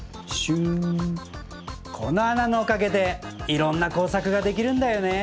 このあなのおかげでいろんなこうさくができるんだよね。